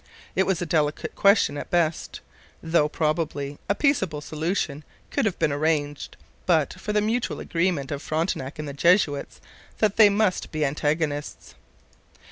It was a delicate question at best, though probably a peaceable solution could have been arranged, but for the mutual agreement of Frontenac and the Jesuits that they must be antagonists.